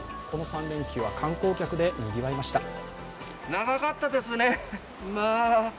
この３連休は観光客でにぎわいました。